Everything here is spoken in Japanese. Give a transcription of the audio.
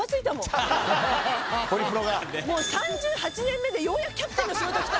３８年目でようやくキャプテンの仕事来たって言って。